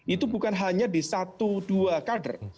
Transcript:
itu bukan hanya di satu dua kader